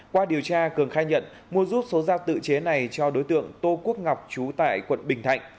qua điều tra cường khai nhận mua rút số dao tự chế này cho đối tượng tô quốc ngọc trú tại quận bình thạnh